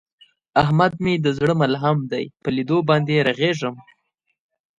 احمد مې د زړه ملحم دی، په لیدو باندې یې رغېږم.